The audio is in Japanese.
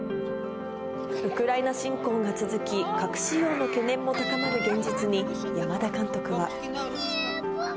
ウクライナ侵攻が続き、核使用の懸念も高まる現実に、山田監督は。